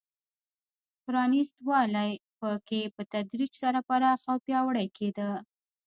پرانېست والی په کې په تدریج سره پراخ او پیاوړی کېده.